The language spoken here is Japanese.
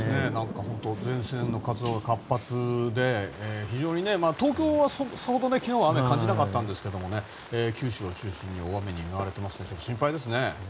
前線の活動が活発で非常にね、東京はさほど昨日は雨を感じなかったんですが九州を中心に大雨に見舞われているので心配ですね。